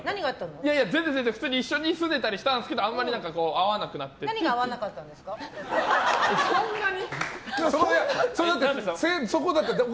いやいや全然、普通に一緒に住んでたりしたんですけど何が合わなかったんですか？